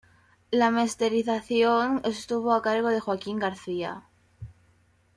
La masterización estuvo a cargo de Joaquín García.